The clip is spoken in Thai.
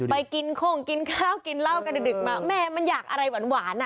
ไปกินโค้งกินข้าวกินเหล้ากันดึกมาแม่มันอยากอะไรหวานอ่ะ